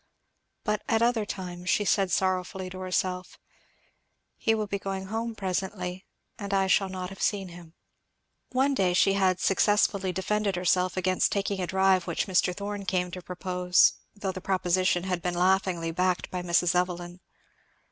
But at other times she said sorrowfully to herself, "He will be going home presently, and I shall not have seen him!" One day she had successfully defended herself against taking a drive which Mr. Thorn came to propose, though the proposition had been laughingly backed by Mrs. Evelyn.